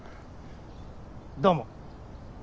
どうも。